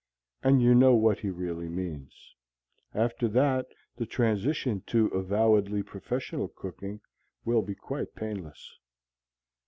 And you know what he really means. After that the transition to avowedly professional cooking will be quite painless.